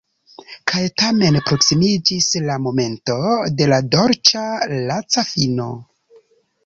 Kaj tamen proksimiĝis la momento de la dolĉa laca fino.